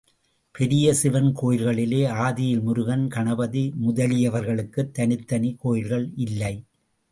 பெரிய சிவன் கோயில்களிலே ஆதியில் முருகன், கணபதி முதலியவர்களுக்குத் தனித்தனி கோயில்கள் இல்லை.